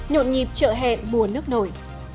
nhộn nhịp trợ hẹn buồn nước nổi